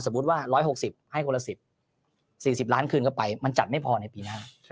ว่า๑๖๐ให้คนละ๑๐๔๐ล้านคืนเข้าไปมันจัดไม่พอในปีหน้า